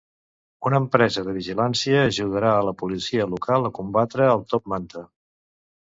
Una empresa de vigilància ajudarà la Policia Local a combatre el "top manta".